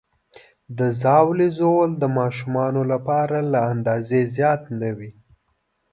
د ژاولې ژوول د ماشومانو لپاره له اندازې زیات نه وي.